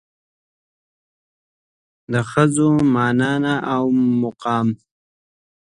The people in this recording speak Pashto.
د ښځې مانا او مقام